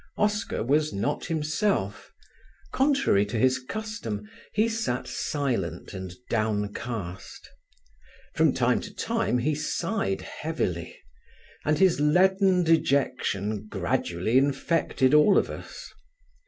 Oscar was not himself; contrary to his custom he sat silent and downcast. From time to time he sighed heavily, and his leaden dejection gradually infected all of us.